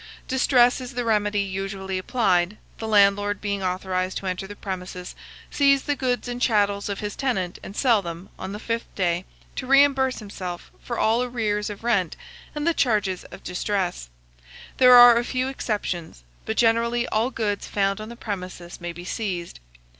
Distress is the remedy usually applied, the landlord being authorized to enter the premises, seize the goods and chattels of his tenant, and sell them, on the fifth day, to reimburse himself for all arrears of rent and the charges of the distress. There are a few exceptions; but, generally, all goods found on the premises may be seized.